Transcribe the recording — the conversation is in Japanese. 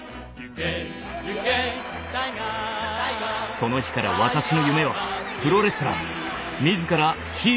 その日から私の夢はプロレスラー。